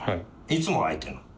いつも開いてんのに。